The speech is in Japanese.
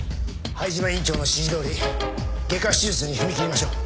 灰島院長の指示どおり外科手術に踏み切りましょう。